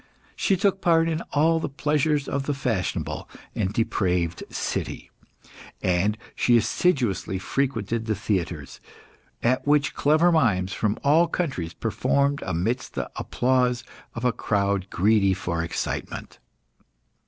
She took part in all the pleasures of the fashionable and depraved city; and she assiduously frequented the theatres, at which clever mimes from all countries performed amidst the applause of a crowd greedy for excitement.